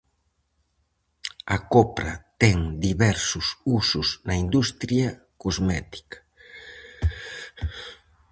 A copra ten diversos usos na industria cosmética.